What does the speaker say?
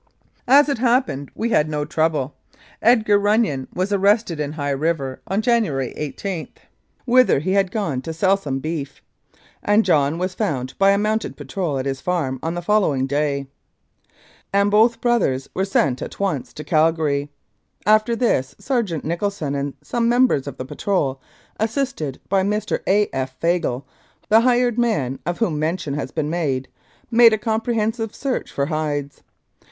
As it happened, we had no trouble. Edgar Runnion was arrested in High River on January 18, whither he 293 Mounted Police Life in Canada had gone to sell some beef, and John was found by a mounted patrol at his farm on the following day, and both brothers were sent at once to Calgary. After this, Sergeant Nicholson and some members of the patrol, assisted by Mr. A. F. Fagle, the hired man, of whom mention has been made, made a comprehensive search for hides.